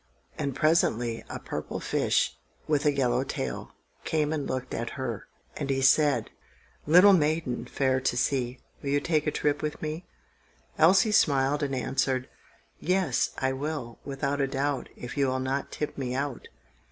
And presently, a purple fish, with a yellow tail, came and looked at her. And he said,— "Little maiden fair to see, Will you take a trip with me?" Elsie smiled and answered,— "Yes, I will, without a doubt, If you will not tip me out."